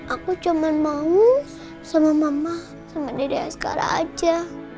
aku cuma mau sama mama sama dedek sekarang aja